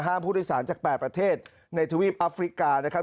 ผู้โดยสารจาก๘ประเทศในทวีปอัฟริกานะครับ